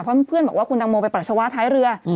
เพราะเพื่อนบอกว่าคุณตังโมไปปัสสาวะท้ายเรือ